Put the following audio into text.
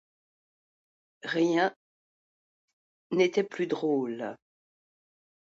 Rien n’était plus drôle.